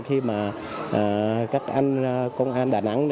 khi mà các anh công an đà nẵng